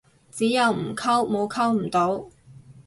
只有唔溝，冇溝唔到